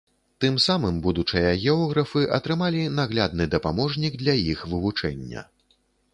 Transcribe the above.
Тым самым будучыя географы атрымалі наглядны дапаможнік для іх вывучэння.